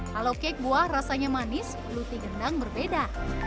halo kek buah rasanya manis luti gendang berbeda